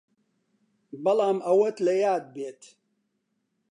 بەڵام ئەوەت لە یاد بێت